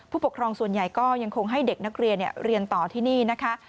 ปกครองส่วนใหญ่ก็ยังคงให้เด็กนักเรียนเรียนต่อที่นี่นะคะ